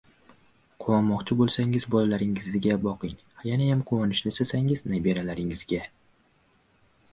• Quvonmoqchi bo‘lsangiz, bolalaringizga boqing, yanayam quvonishni istasangiz — nabiralaringizga!